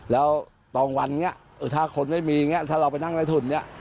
แล้วตอนผ่านเองถ้าคนอย่างงี้ถ้าเราไปนั่งในถุ่ม